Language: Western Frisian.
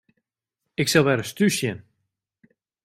Ik sil wer ris thús sjen.